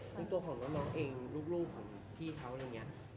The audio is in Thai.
คือตัวของน้องเองลูกของพี่เขาอะไรอย่างนี้